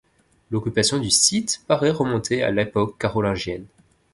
L'occupation du site paraît remonter à l'époque carolingienne.